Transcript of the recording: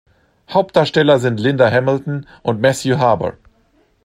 Hauptdarsteller sind Linda Hamilton und Matthew Harbour.